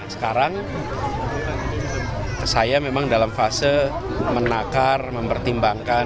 sekarang saya memang dalam fase menakar mempertimbangkan